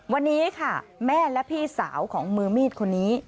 วันนี้ค่ะแม่และพี่สาวของมือมีดคนนี้